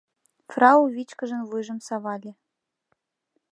Фрау «вичкыжын» вуйжым савале.